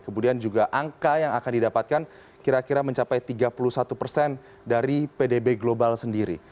kemudian juga angka yang akan didapatkan kira kira mencapai tiga puluh satu persen dari pdb global sendiri